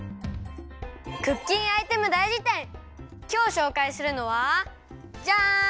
きょうしょうかいするのはジャン！